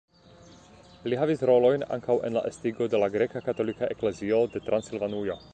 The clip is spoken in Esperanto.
Li havis rolojn ankaŭ en la estigo de la greka katolika eklezio de Transilvanujo.